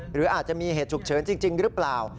หรืออาจจะมีเหตุฉุกเฉินจริงหรือเปล่า